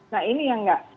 nah ini yang tidak